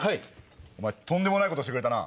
とんでもないことしてくれたな。